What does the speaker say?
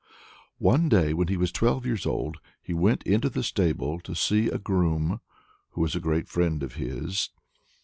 One day, when he was twelve years old, he went into the stable to see a groom who was a great friend of his.